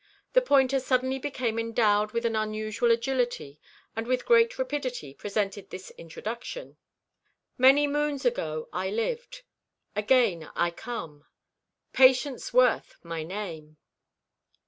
The pointer suddenly became endowed with an unusual agility, and with great rapidity presented this introduction: "Many moons ago I lived. Again I come. Patience Worth my name."